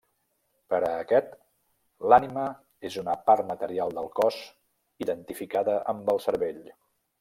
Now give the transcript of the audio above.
Per a aquest, l'ànima és una part material del cos identificada amb el cervell.